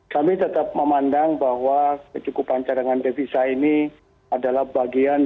kami tetap memandang bahwa kecukupan cadangan devisa ini adalah bagian